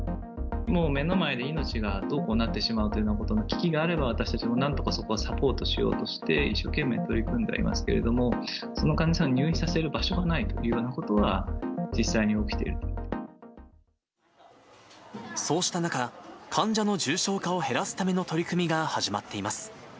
もう目の前で命がどうこうなってしまうということの危機があれば私たちもなんとかそこをサポートしようとして、一生懸命取り組んでおりますけれども、その患者さんを入院させる場所がないというそうした中、患者の重症化を減らすための取り組みが始まっています。